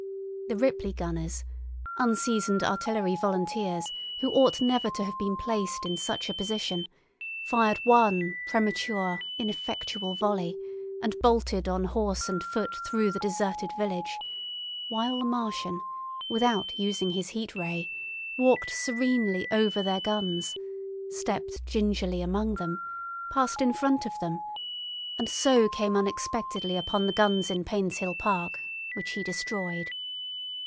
The Ripley gunners, unseasoned artillery volunteers who ought never to have been placed in such a position, fired one wild, premature, ineffectual volley, and bolted on horse and foot through the deserted village, while the Martian, without using his Heat Ray, walked serenely over their guns, stepped gingerly among them, passed in front of them, and so came unexpectedly upon the guns in Painshill Park, which he destroyed.